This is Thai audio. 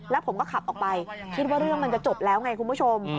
แล้วผมก็ขับออกไปคิดว่าเรื่องมันจะจบแล้วไงคุณผู้ชม